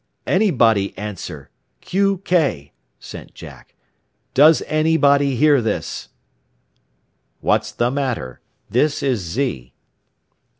"Anybody answer! Qk!" sent Jack. "Does anybody hear this?" "What's the matter? This is Z."